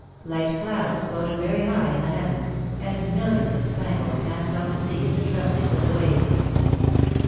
Light clouds floated very high in the heavens, and millions of spangles danced on the sea in the tremblings of the waves.